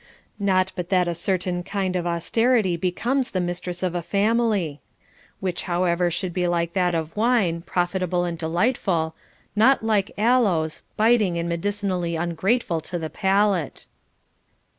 Not but that a certain kind of austerity becomes the mistress of a family ; which how ever should be like that of wine, profitable and delightful, not like aloes, biting and medicinally ungrateful to the palate.